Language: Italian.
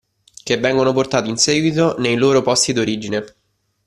Che vengono portati in seguito nei loro posti d'origine.